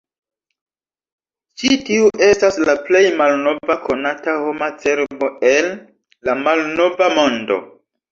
Ĉi tiu estas la plej malnova konata homa cerbo el la Malnova Mondo.